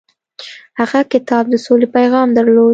هغه کتاب د سولې پیغام درلود.